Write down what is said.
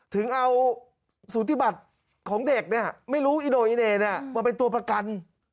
ถึงเอาสูติบัติของเด็กเนี่ยไม่รู้อิโนอิเน่มาเป็นตัวประกัน